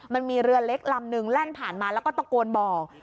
มันมีเรือเล็กลำนึงแล่นผ่านมาแล้วก็ตะโกนบอก